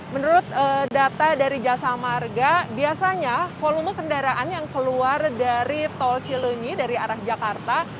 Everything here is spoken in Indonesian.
menurut data dari jasa marga biasanya volume kendaraan yang keluar dari tol cilenyi dari arah jakarta